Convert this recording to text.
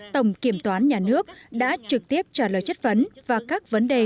tổng kiểm toán nhà nước đã trực tiếp trả lời chất vấn và các vấn đề